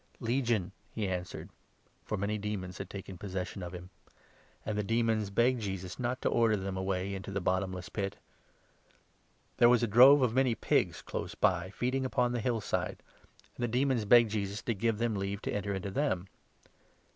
30 "Legion," he answered (for many demons had taken pos session of him) ; and the demons begged Jesus not to order 31 them away into the bottomless pit. There was a drove 32 of many pigs close by feeding upon the hill side ; and the demons begged Jesus to give them leave to enter into them.